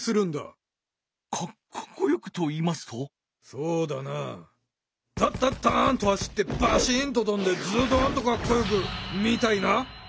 そうだなタッタッタンと走ってバシンととんでズドンとかっこよくみたいな。